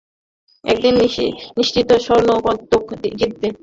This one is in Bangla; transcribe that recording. একদিন নিশ্চিত স্বর্ণপদক জিতবে।